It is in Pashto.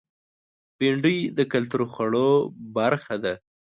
بېنډۍ د کلتور خوړو برخه ده